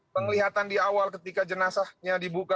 penglihatan di awal ketika jenazahnya dibuka